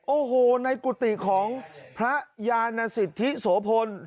โอ้โหในกุฏิของพระยานสิทธิโสพล